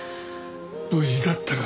無事だったか。